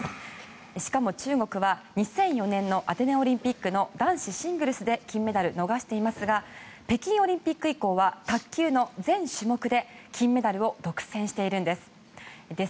しかも中国は２００４年のアテネオリンピックの男子シングルスで金メダルを逃していますが北京オリンピック以降は卓球の全種目で金メダルを独占しているんです。